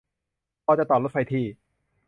พอจะต่อรถไฟที่